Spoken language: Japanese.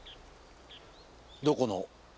どこの？